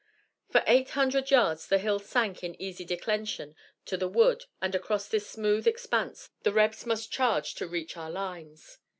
For eight hundred yards the hill sank in easy declension to the wood, and across this smooth expanse the Rebs must charge to reach our lines.